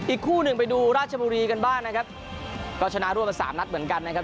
อีกคู่หนึ่งไปดูราชบุรีกันบ้างนะครับก็ชนะร่วมกันสามนัดเหมือนกันนะครับ